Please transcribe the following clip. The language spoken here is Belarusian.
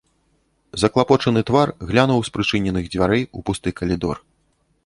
Заклапочаны твар глянуў з прычыненых дзвярэй у пусты калідор.